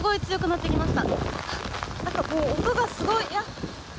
なんかこう、音がすごい。